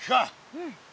うん。